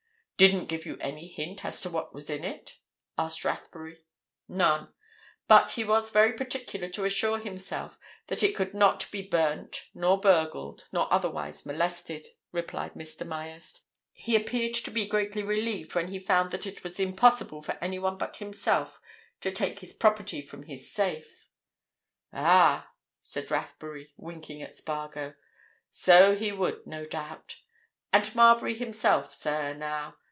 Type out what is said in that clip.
"Didn't give you any hint as to what was in it?" asked Rathbury. "None. But he was very particular to assure himself that it could not be burnt, nor burgled, nor otherwise molested," replied Mr. Myerst. "He appeared to be greatly relieved when he found that it was impossible for anyone but himself to take his property from his safe." "Ah!" said Rathbury, winking at Spargo. "So he would, no doubt. And Marbury himself, sir, now?